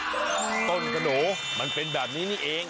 ต้นสโหน่มันเป็นแบบนี้นี่เอง